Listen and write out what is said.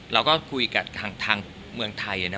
แต่ก็คุยกับห้างเทียดังเมืองไทย